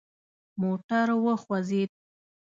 موټر وخوځید.